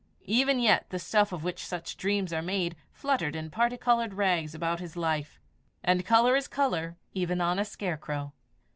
Even yet the stuff of which such dreams are made, fluttered in particoloured rags about his life; and colour is colour even on a scarecrow.